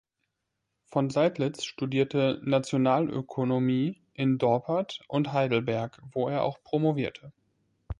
Von Seidlitz studierte Nationalökonomie in Dorpat und Heidelberg, wo er auch promovierte.